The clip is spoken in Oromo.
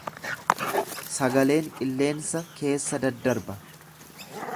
Sagaleen qilleensa keessa daddarba.